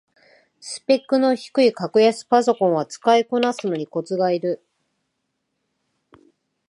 スペックの低い格安パソコンは使いこなすのにコツがいる